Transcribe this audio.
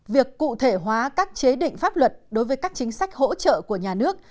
việc cụ thể hóa các chế định pháp luật đối với các chính sách hỗ trợ của nhà nước